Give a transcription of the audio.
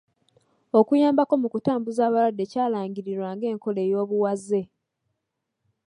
Okuyambako mu kutambuza abalwadde kyalangirirwa ng’enkola ey’obuwaze.